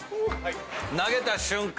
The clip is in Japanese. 投げた瞬間